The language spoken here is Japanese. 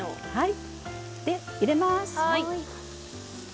で入れます！